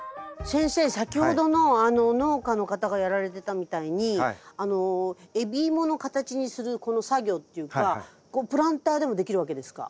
先ほどの農家の方がやられてたみたいに海老芋の形にするこの作業っていうかこうプランターでもできるわけですか？